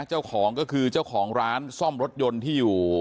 เจ้าของก็คือเจ้าของร้านซ่อมรถยนต์ที่อยู่